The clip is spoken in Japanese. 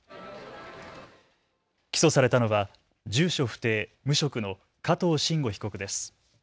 起訴されたのは住所不定、無職の加藤臣吾被告です。